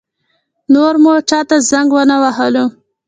نور مو چا ته زنګ ونه وهلو.